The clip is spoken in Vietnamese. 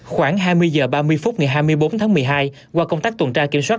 khoảng hai mươi h ba mươi phút ngày hai mươi bốn tháng một mươi hai qua công tác tuần tra kiểm soát